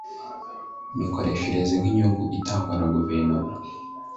mikoreshereze y inkunga itangwa na guverinoma